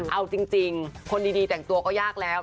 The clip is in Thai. เอาจริงคนดีแต่งตัวก็ยากแล้ว